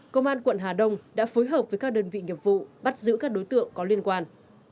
công an quận hà đông đã phối hợp với các đơn vị nghiệp vụ bắt giữ các đối tượng có liên quan